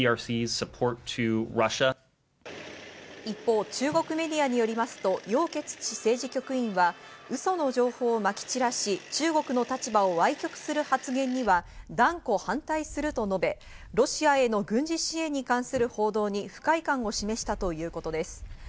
一方、中国メディアによりますと、ヨウ・ケツチ政治局員はウソの情報をまき散らし中国の立場を歪曲する発言には断固反対すると述べ、ロシアへの軍事支援に関する報道に不快感を示したということです。